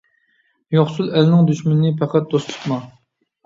يوقسۇل ئەلنىڭ دۈشمىنىنى پەقەت دوست تۇتما!